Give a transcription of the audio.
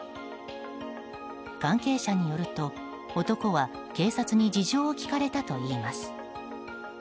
関係者によると、男は警察に事情を聴かれたといいます。